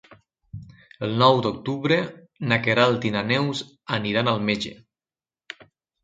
El nou d'octubre na Queralt i na Neus aniran al metge.